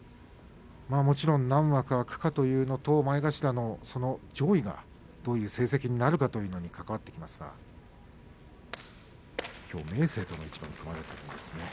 もちろん何枠空くかということと前頭の上位がどういう成績になるかということが関わってきますがきょうは明生との一番が組まれている宇良ですね。